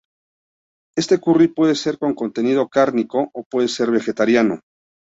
Este curry puede ser con contenido cárnico o puede ser vegetariano.